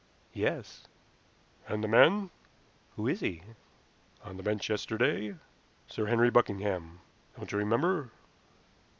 "Yes." "And the man?" "Who is he?" "On the bench yesterday. Sir Henry Buckingham. Don't you remember?"